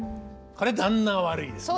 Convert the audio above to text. これ旦那が悪いですね。